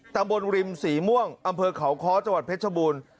ตำบลริมสีม่วงอำเภอเขาค้อจังหวัดเพชรบูรณ์